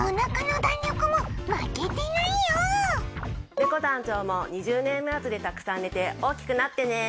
ねこ団長も「２０年ＭｕＡｔｓｕ」でたくさん寝て大きくなってね。